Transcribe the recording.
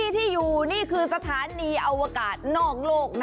ที่อยู่นี่คือสถานีอวกาศนอกโลกนะ